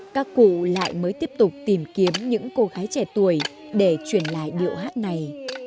các cụ lại mới tiếp tục tìm kiếm những cô gái trẻ tuổi để truyền lại điệu hát này